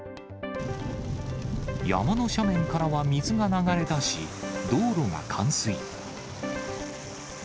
山の斜面からは水が流れ出し、道路が冠水。